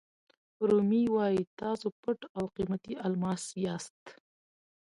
رومي وایي تاسو پټ او قیمتي الماس یاست.